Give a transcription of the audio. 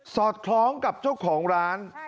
อดคล้องกับเจ้าของร้าน